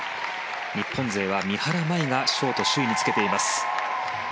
日本勢は三原舞依がショート首位につけています。